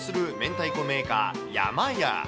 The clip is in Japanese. たいこメーカー、やまや。